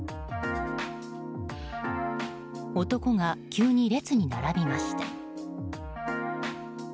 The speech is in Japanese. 男が急に列に並び始めました。